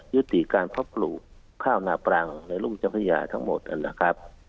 ยืติการพอบปลูกเภานะแตรังในลุคทรัพยาทั้งหมดเนี่ยนะครับ